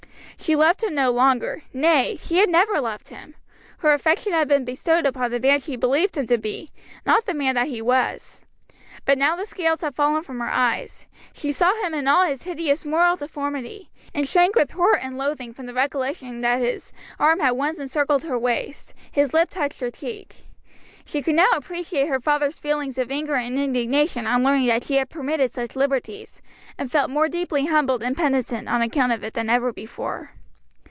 She loved him no longer; nay, she had never loved him; her affection had been bestowed upon the man she believed him to be, not the man that he was. But now the scales had fallen from her eyes, she saw him in all his hideous moral deformity, and shrank with horror and loathing from the recollection that his arm had once encircled her waist, his lip touched her cheek. She could now appreciate her father's feelings of anger and indignation on learning that she had permitted such liberties, and felt more deeply humbled and penitent on account of it than ever before.